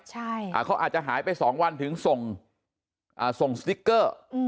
ใช่อ่าเขาอาจจะหายไปสองวันถึงส่งอ่าส่งสติ๊กเกอร์อืม